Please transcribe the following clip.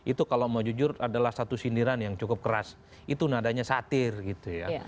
itu kalau mau jujur adalah satu sindiran yang cukup keras itu nadanya satir gitu ya